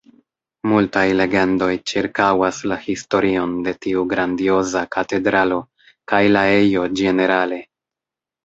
Multaj legendoj ĉirkaŭas la historion de tiu grandioza katedralo, kaj la ejo ĝenerale.